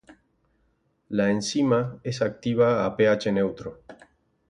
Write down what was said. La enzima es activa a pH neutro.